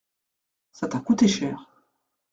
Ça t’a coûté cher.